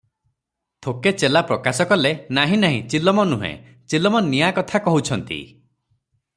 ଥୋକେ ଚେଲା ପ୍ରକାଶ କଲେ, "ନାହିଁ ନାହିଁ ଚିଲମ ନୁହେଁ, ଚିଲମ ନିଆଁ କଥା କହୁଛନ୍ତି ।"